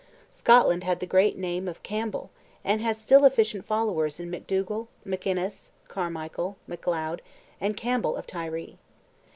Scotland had the great name of Campbell, and has still efficient followers in MacDougall, MacInnes, Carmichael, Macleod, and Campbell of Tiree.